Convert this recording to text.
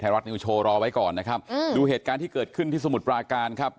รัฐนิวโชว์รอไว้ก่อนนะครับดูเหตุการณ์ที่เกิดขึ้นที่สมุทรปราการครับ